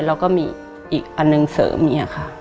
เราก็มีอีกอันนึงเสริม